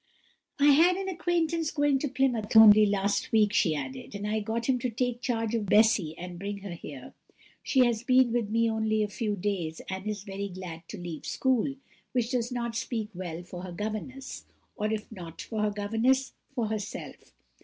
"I had an acquaintance going to Plymouth only last week," she added; "and I got him to take charge of Bessy and bring her here. She has been with me only a few days, and is very glad to leave school, which does not speak well for her governess; or if not for her governess, for herself.